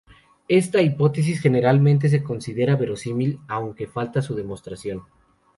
Esta hipótesis generalmente se considera verosímil, aunque falta su demostración.